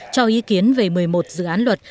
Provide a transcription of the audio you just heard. cho ý kiến về một mươi một dự án luật